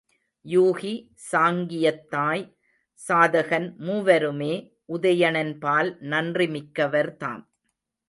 Yuki, Sankiyathai, சாதகன் மூவருமே உதயணன்பால் நன்றி மிக்கவர்தாம்.